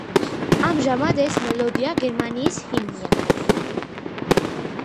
ამჟამად ეს მელოდია გერმანიის ჰიმნია.